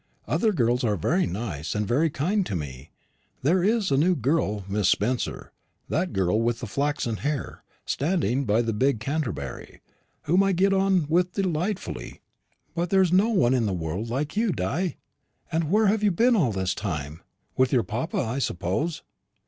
Other girls are very nice and very kind to me. There is a new girl, Miss Spencer that girl with flaxen hair, standing by the big Canterbury whom I get on with delightfully; but there is no one in the world like you, Di. And where have you been all this time? With your papa, I suppose."